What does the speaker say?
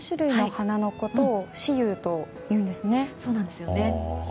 ４種類の花のことを四友というんですね？